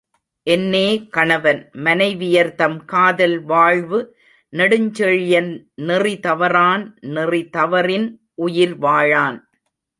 என்னே கணவன் மனைவியர்தம் காதல் வாழ்வு நெடுஞ்செழியன் நெறி தவறான் நெறிதவறின் உயிர் வாழான்.